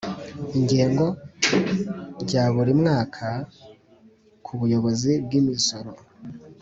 Ingengo rya buri mwaka ku Buyobozi bw Imisoro